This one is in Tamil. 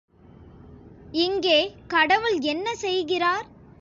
இங்கே கடவுள் என்ன செய்கிறார்?